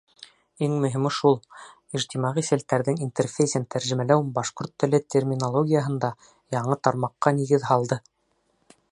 Иң мөһиме шул: ижтимағи селтәрҙең интерфейсын тәржемәләү башҡорт теле терминологияһында яңы тармаҡҡа нигеҙ һалды.